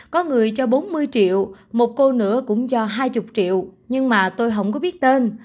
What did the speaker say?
có người cho bốn mươi triệu một cô nữa cũng do hai mươi triệu nhưng mà tôi không có biết tên